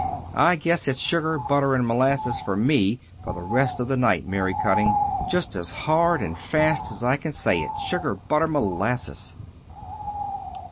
I guess it's 'sugar, butter, and molasses' for me for the rest of the night, Mary Cutting; just as hard and fast as I can say it, 'sugar, butter, molasses.'"